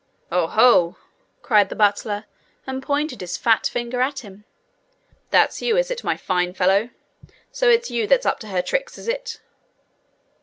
'Oh, ho!' cried the butler, and pointed his fat finger at him. 'That's you, is it, my fine fellow? So it's you that's up to her tricks, is it?'